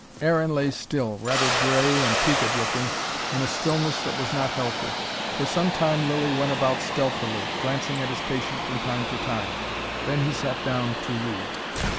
Aaron lay still, rather grey and peaked looking, in a stillness that was not healthy. For some time Lilly went about stealthily, glancing at his patient from time to time. Then he sat down to read.